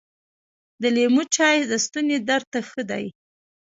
د لیمو چای د ستوني درد ته ښه دي .